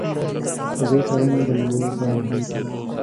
فضایي څارنې د موندلو لپاره مهمې دي.